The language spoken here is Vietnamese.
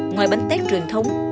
ngoài bánh tét truyền thống